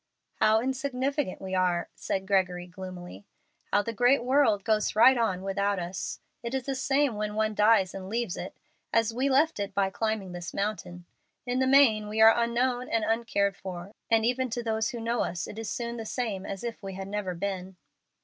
"How insignificant we are!" said Gregory, gloomily; "how the great world goes right on without us! It is the same when one dies and leaves it, as we left it by climbing this mountain. In the main we are unknown and uncared for, and even to those who know us it is soon the same as if we had never been."